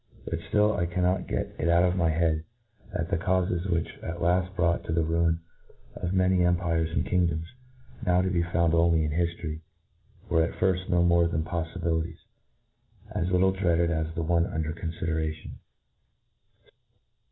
Byt ftiU I cannot get it put of my head, that the caufes which at laft brought on the ruii^ of m?iny empires and , kingdoms, now to be found only in hiftory,^ were at firft no more than poffibilities, as little dreaded as the one under confideratipn.